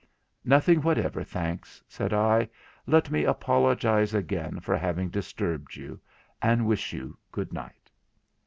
'Nothing whatever, thanks,' said I. 'Let me apologize again for having disturbed you—and wish you "Goodnight".'